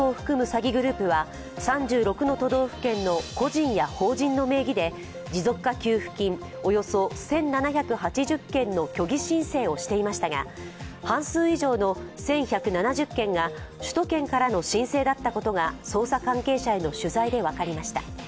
詐欺グループは３６の都道府県の個人や法人の名義で持続化給付金およそ１７８０件の虚偽申請をしていましたが、半数以上の１１７０件が首都圏からの申請だったことが捜査関係者への取材で分かりました。